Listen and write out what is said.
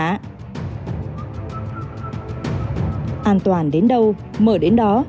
an toàn đến đâu mở đến đó